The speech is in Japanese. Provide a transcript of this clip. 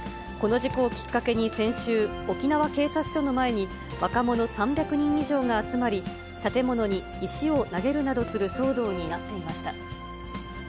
この事故をきっかけに先週、沖縄警察署の前に、若者３００人以上が集まり、建物に石を投げるなどする騒動になっていました。